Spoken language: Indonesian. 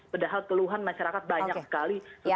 padahal keluhan masyarakat banyak sekali